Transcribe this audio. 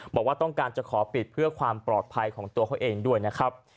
บอกว่าต้องการจะขอปิดเพื่อความปลอดภัยของตัวเขาเองด้วยนะครับ